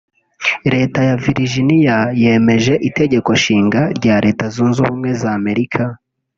Leta ya Virginia yemeje itegekonshinga rya Leta Zunze Ubumwe z’Amerika